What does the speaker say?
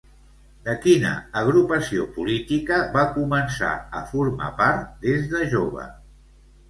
De quina agrupació política va començar a formar part des de jove?